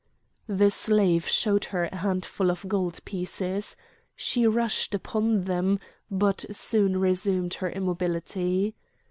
The slave showed her a handful of gold pieces. She rushed upon them, but soon resumed her immobility.